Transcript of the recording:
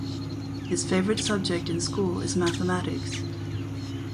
His favourite subject in school is Mathematics.